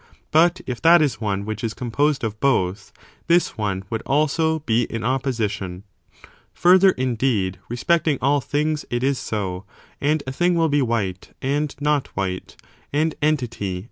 But if that is one which is composed of both, this one would also be in opposition. 11. Fourth ar Further, indeed, respecting all things it is so ; gument, drawn and a thing will be white and not white, and entity fh>mthe nature ,°.